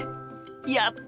やった！